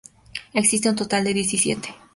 Existen un total de diecisiete.